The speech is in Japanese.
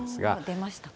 出ましたか。